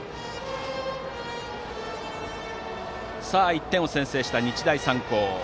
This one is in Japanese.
１点を先制した日大三高。